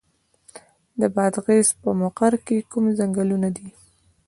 د بادغیس په مقر کې کوم ځنګلونه دي؟